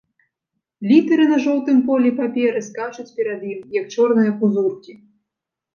Літары на жоўтым полі паперы скачуць перад ім, як чорныя кузуркі.